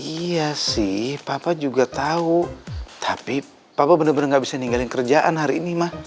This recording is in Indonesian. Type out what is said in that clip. iya sih papa juga tahu tapi papa bener bener gak bisa ninggalin kerjaan hari ini mah